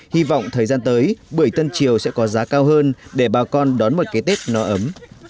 hy vọng thời gian tới bưởi tân triều sẽ có giá cao hơn để bà con đón một cái tết no ấm